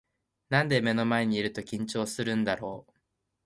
なんで目の前にいると緊張するんだろう